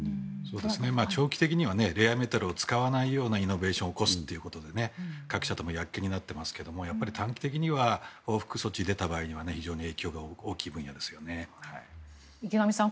長期的にはレアメタルを使わないようなイノベーションを起こすということで各社とも躍起になっていますがやっぱり短期的には報復措置が出た場合には池上さん